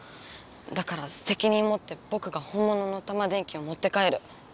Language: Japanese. だからせきにんもってぼくが本物のタマ電Ｑをもって帰る！